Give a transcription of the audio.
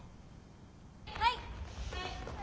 はい！